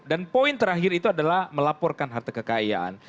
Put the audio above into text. dan poin terakhir itu adalah melaporkan harta kekayaan